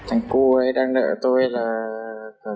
anh cô ấy đang đợi tiền chuộc